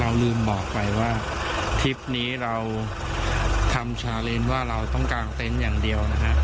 ลืมบอกไปว่าทริปนี้เราทำชาเลนว่าเราต้องกางเต็นต์อย่างเดียวนะฮะ